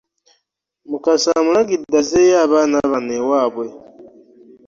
Mukase mulagidde azzeeyo abaana bano ewaabwe.